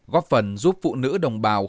góp phần giúp phụ nữ đồng bào